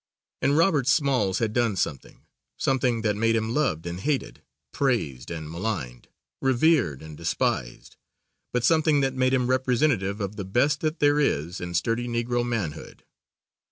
And Robert Smalls had done something, something that made him loved and hated, praised and maligned, revered and despised, but something that made him representative of the best that there is in sturdy Negro manhood.